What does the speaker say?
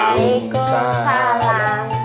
bapak bantu buat buku silang